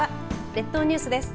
列島ニュースです。